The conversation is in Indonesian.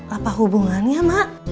apa hubungannya mak